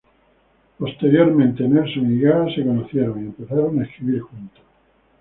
Posteriormente, Nelson y Gaga se conocieron y empezaron a escribir juntos.